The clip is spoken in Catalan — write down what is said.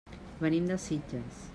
Venim de Sitges.